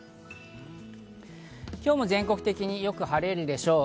今日も全国的によく晴れるでしょう。